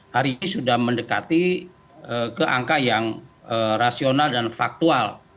hari ini sudah mendekati ke angka yang rasional dan faktual